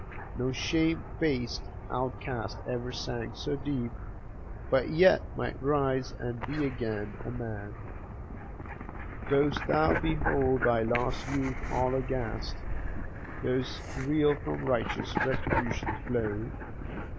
No shame faced outcast ever sank so deep, But yet might rise and be again a man ! Dost thou behold thy lost youth all aghast? Dost reel from righteous Retribution's blow?